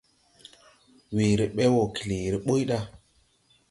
Weere be wɔ këleere buy da.